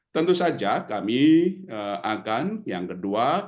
tentu saja kami akan yang kedua